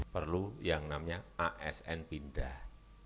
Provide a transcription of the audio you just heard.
perlu yang namanya asn pindah